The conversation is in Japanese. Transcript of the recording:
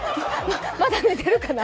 まだ寝てるかな。